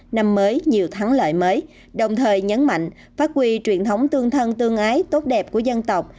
năm mới nhiều thắng lợi mới đồng thời nhấn mạnh phát quy truyền thống tương thân tương ái tốt đẹp của dân tộc